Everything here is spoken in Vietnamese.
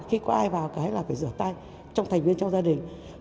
khi có ai vào cái là phải rửa tay trong thành viên trong gia đình